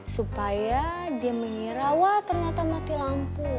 supaya dia mengira wah ternyata mati lampu